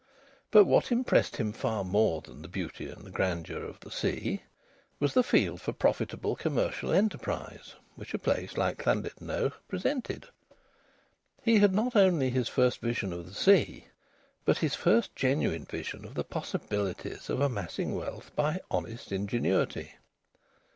But what impressed him far more than the beauty and grandeur of the sea was the field for profitable commercial enterprise which a place like Llandudno presented. He had not only his first vision of the sea, but his first genuine vision of the possibilities of amassing wealth by honest ingenuity.